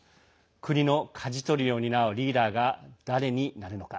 国のかじ取りを担うリーダーが誰になるのか